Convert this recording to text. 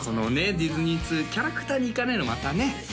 ディズニー通キャラクターにいかないのがまたね